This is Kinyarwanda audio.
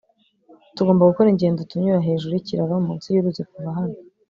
tugomba gukora ingendo tunyura hejuru yikiraro munsi yuruzi kuva hano